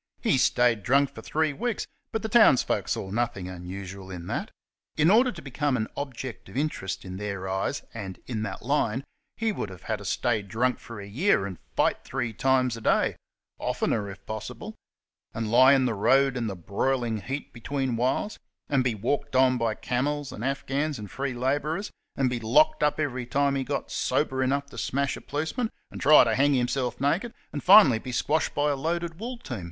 He stayed drunk for throe weeks, but the towns people saw nothing unusual in that. In order to be come an object of interest in their eyes, and in that line, he would have had to stay drunk for a year and fight three times a day oftener, if possible and lie in the road in the broiling heat between whiles, and be walked on by camels and Afghans and free labourers, and be locked up every time he got sober enough to smash a policeman, and try to hang him self naked, and be finally squashed by a loaded wool team.